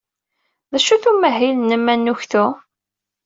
D acu-t umahil-nnem anuktu?